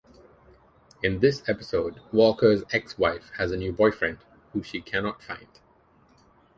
In this episode Walker's ex-wife has a new boyfriend, who she cannot find.